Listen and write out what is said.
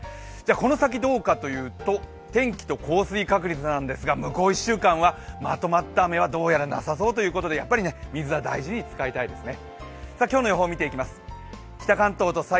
この先どうかというと天気と降水確率なんですが向こう１週間はまとまった雨はどうやらなさそうということでやっぱり水は大事に使いたいですね。